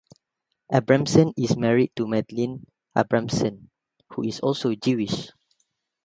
Abramson is married to Madlyn Abramson, who is also Jewish.